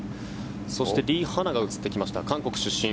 そしてリ・ハナが映ってきました韓国出身。